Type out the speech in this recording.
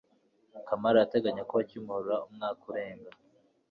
kamari arateganya kuba kimihurura umwaka urenga